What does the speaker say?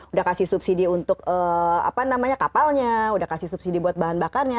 udah kasih subsidi untuk kapalnya udah kasih subsidi buat bahan bakarnya